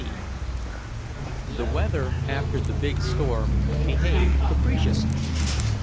IX The weather, after the big storm, behaved capriciously.